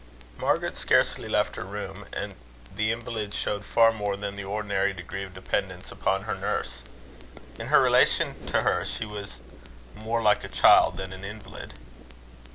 Margaret scarcely left her room, and the invalid showed far more than the ordinary degree of dependence upon her nurse. In her relation to her, she was more like a child than an invalid.